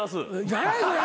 何やそれ！